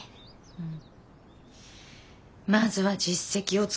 うん。